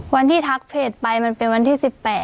วันที่ทักเพจไปมันเป็นวันที่๑๘